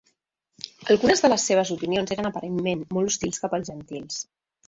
Algunes de les seves opinions eren aparentment molt hostils cap als gentils.